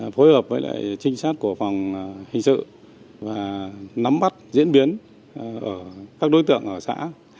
phối hợp với trinh sát của phòng hình sự và nắm bắt diễn biến ở các đối tượng ở xã